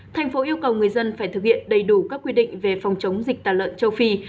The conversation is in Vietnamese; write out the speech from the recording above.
thành phố yêu cầu người dân phải thực hiện đầy đủ các quy định về phòng chống dịch tả lợn châu phi